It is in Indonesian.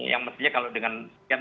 yang mestinya kalau dengan